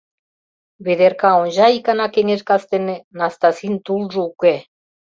Ведерка онча икана кеҥеж кастене — Настасин тулжо уке.